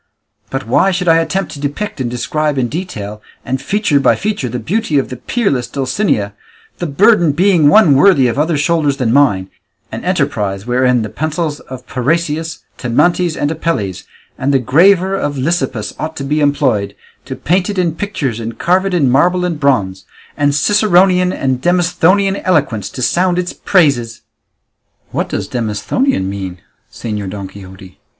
But why should I attempt to depict and describe in detail, and feature by feature, the beauty of the peerless Dulcinea, the burden being one worthy of other shoulders than mine, an enterprise wherein the pencils of Parrhasius, Timantes, and Apelles, and the graver of Lysippus ought to be employed, to paint it in pictures and carve it in marble and bronze, and Ciceronian and Demosthenian eloquence to sound its praises?" "What does Demosthenian mean, Señor Don Quixote?"